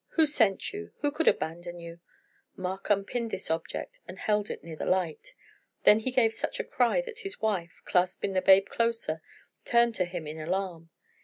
Who sent you? Who could abandon you?" Mark unpinned this object and held it near the light. Then he gave such a cry that his wife, clasping the babe closer, turned to him in alarm.